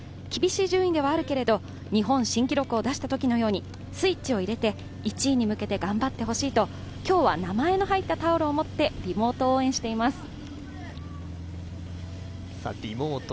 厳しい順位ではあるけど日本新記録を出したときのように、スイッチを入れて１位に向けて頑張ってほしいと、今日は名前の入ったタオルを用意してリモート応援しています。